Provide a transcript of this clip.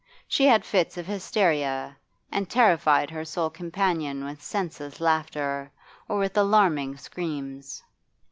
She had fits of hysteria, and terrified her sole companion with senseless laughter, or with alarming screams.